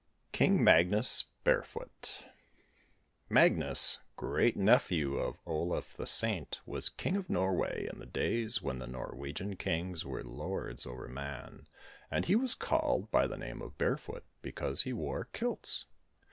KING MAGNUS BAREFOOT Magnus, great nephew of Olaf the Saint, was King of Norway in the days when the Norwegian Kings were Lords over Mann, and he was called by the name of Barefoot because he wore kilts.